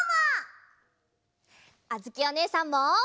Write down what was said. あづきおねえさんも！